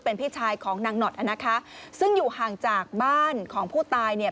เป็นพี่ชายของนางหนอดอ่ะนะคะซึ่งอยู่ห่างจากบ้านของผู้ตายเนี่ย